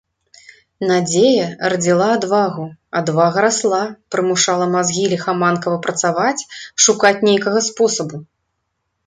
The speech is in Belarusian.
Надзея радзіла адвагу, адвага расла, прымушала мазгі ліхаманкава працаваць, шукаць нейкага спосабу.